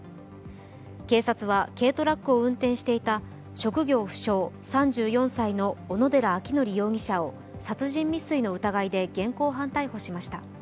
警察は軽トラックを運転していた職業不詳、３４歳の小野寺章仁容疑者を殺人未遂の疑いで現行犯逮捕しました。